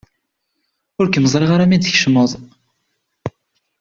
Ur kem-ẓriɣ ara mi d-tkecmeḍ.